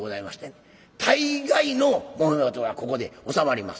大概のもめ事はここで収まります。